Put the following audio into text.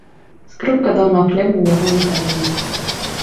Скрыпка даўно хлебам яго не карміла.